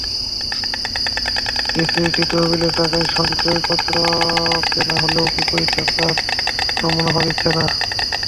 Gratuity তহবিলের টাকায় সঞ্চয়পত্র কেনা হলেও বিপরীতে সরকার কোনো মুনাফা দিচ্ছে না।